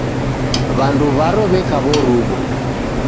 W'andu w'aro w'eka w'oruw'o.